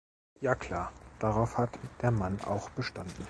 Ja klar, darauf hat der Mann auch bestanden.